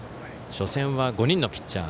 初戦は５人のピッチャー。